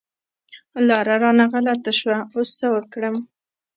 لاره رانه غلطه شوه، اوس څه وکړم؟